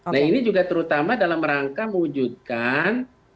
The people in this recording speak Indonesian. nah ini juga terutama dalam rangka mewujudkan